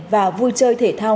và vui chơi thể thao